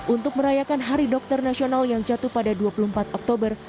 untuk merayakan hari dokter nasional yang jatuh pada dua puluh empat oktober